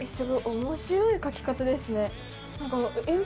面白い描き方ですね。